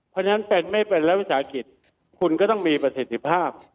เพราะฉะนั้นเป็นไม่เป็นรัฐวิสาหกิจคุณก็ต้องมีประสิทธิภาพ